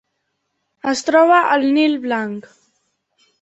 Es troba al Nil Blanc.